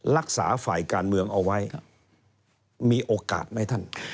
รักษาฝ่ายการเมืองเอาไว้มีโอกาสไหมท่าน